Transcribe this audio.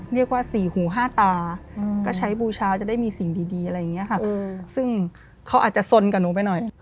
เรียกว่าสี่หูห้าตาก็ใช้บูชาจะได้มีสิ่งดีอะไรอย่างนี้ค่ะซึ่งเขาอาจจะสนกับหนูไปหน่อย